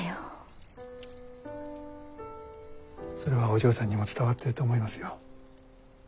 それはお嬢さんにも伝わってると思いますよ。